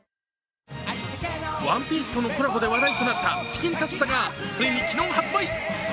「ＯＮＥＰＩＥＣＥ」とのコラボで話題となったチキンタツタがついに昨日発売。